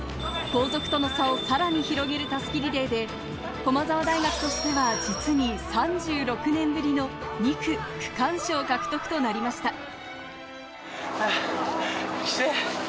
後続との差をさらに広げる襷リレーで駒澤大学としては実に３６年ぶりの２区区間賞獲得となりました。